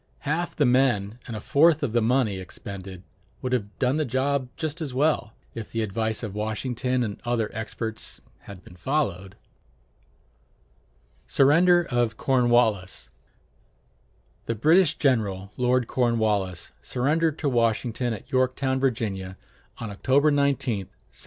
Half the men and a fourth of the money expended would have done the job just as well, if the advice of Washington and other experts had been followed. [Illustration: SURRENDER OF CORNWALLIS The British general, Lord Cornwallis, surrendered to Washington at Yorktown, Virginia, on October 19, 1781.